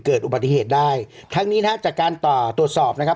เกิดอุบัติเหตุได้ทั้งนี้นะฮะจากการต่อตรวจสอบนะครับ